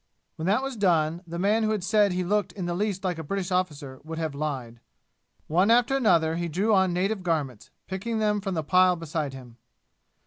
When that was done, the man who had said he looked in the least like a British officer would have lied. One after another he drew on native garments, picking them from the pile beside him.